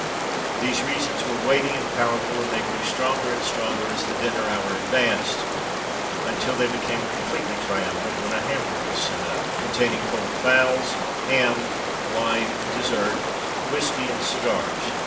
These reasons were weighty and powerful; and they grew stronger and stronger as the dinner hour advanced,—until they became completely triumphant when a hamper was sent up, containing cold fowls, ham, wine, dessert, whiskey, and cigars.